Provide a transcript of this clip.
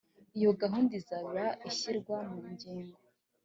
iyo gahunda izaba ishyirwa mungiro